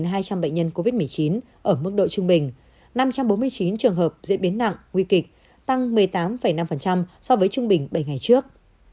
ngoài ra thành phố đang điều trị cho hơn hai năm trăm linh bệnh nhân covid một mươi chín ở mức độ trung bình năm trăm bốn mươi chín trường hợp diễn biến nặng nguy kịch tăng một mươi tám năm so với trung bình bảy ngày trước